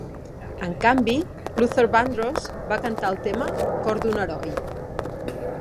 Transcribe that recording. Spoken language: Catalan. En canvi, Luther Vandross va cantar el tema "Cor d'un heroi".